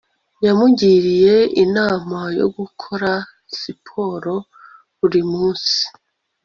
yamugiriye inama yo gukora siporo buri munsi